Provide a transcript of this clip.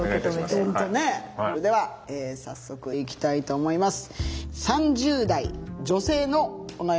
それでは早速いきたいと思います。